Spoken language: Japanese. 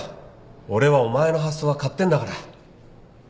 俺はお前の発想は買ってんだから。